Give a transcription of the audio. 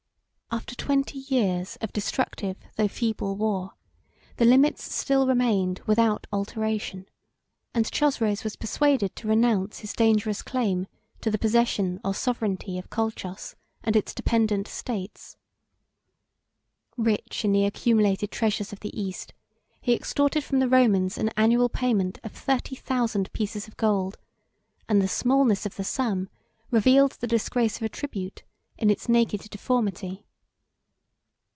After twenty years of destructive though feeble war, the limits still remained without alteration; and Chosroes was persuaded to renounce his dangerous claim to the possession or sovereignty of Colchos and its dependent states. Rich in the accumulated treasures of the East, he extorted from the Romans an annual payment of thirty thousand pieces of gold; and the smallness of the sum revealed the disgrace of a tribute in its naked deformity.